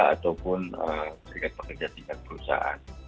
ataupun serikat pekerja tingkat perusahaan